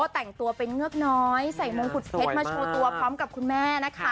แต่งตัวเป็นเงือกน้อยใส่มงกุฎเพชรมาโชว์ตัวพร้อมกับคุณแม่นะคะ